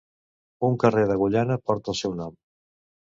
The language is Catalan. Un carrer d'Agullana porta el seu nom.